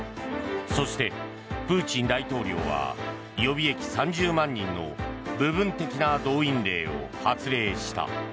そして、プーチン大統領は予備役３０万人の部分的な動員令を発令した。